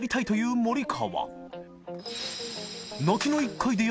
森川）